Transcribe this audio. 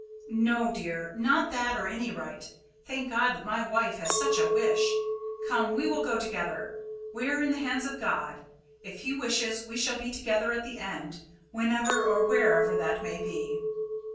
"No, dear, not that or any right. Thank God that my wife has such a wish. Come; we will go together. We are in the hands of God. If He wishes, we shall be together at the end, whenever or wherever that may be."